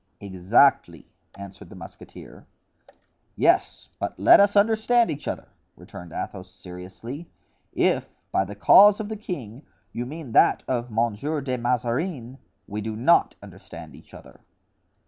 "Exactly," answered the musketeer. "Yes, but let us understand each other," returned Athos, seriously. "If by the cause of the king you mean that of Monsieur de Mazarin, we do not understand each other."